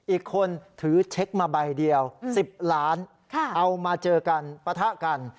อีกคนถือเช็คมาใบเดียว๑๐ล้านเอามาเจอกันปะทะกัน